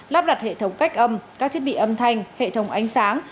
lắp đặt hệ thống cách âm các thiết bị âm thanh hệ thống ánh sáng